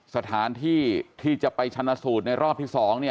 สถานที่ที่จะไปชนะสูตรในรอบที่๒